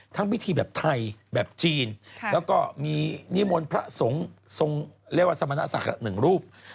ทั้งวิธีแบบไทยแบบจีนแล้วก็มีนิมนต์พระสงฆ์เรวสมณะสักหนึ่งรูป